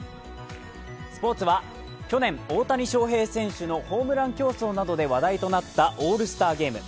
スポーツは去年、大谷翔平選手のホームラン競争などで話題となったオールスターゲーム。